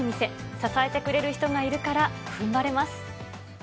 支えてくれる人がいるから、ふんばれます。